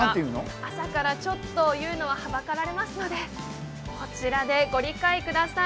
朝からちょっと言うのははばかられますので、こちらでご理解ください。